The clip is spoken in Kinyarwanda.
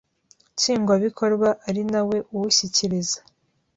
Nshingwabikorwa ari na we uwushyikiriza